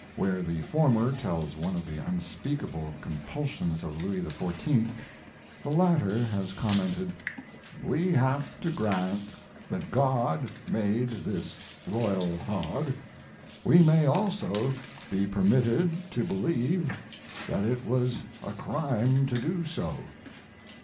Where the former tells one of the unspeakable compulsions of Louis XIV., the latter has commented: We have to grant that God made this royal hog; we may also be permitted to believe that it was a crime to do so.